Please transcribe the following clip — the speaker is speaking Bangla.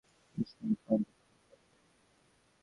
আমি কথা দিয়েছিলাম একটা রাজকুমারীকে, আধা পাগল কোনো ব্যাঙকে না।